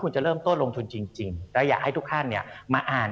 คุณสินทะนันสวัสดีครับ